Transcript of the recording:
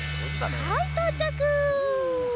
はいとうちゃく！